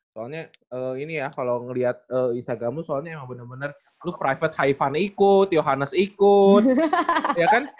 soalnya ini ya kalo ngeliat instagram mu soalnya emang bener bener lu private haivan ikut yohanes ikut ya kan